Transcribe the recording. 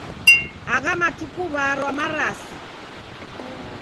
Agha matuku warwa marasi.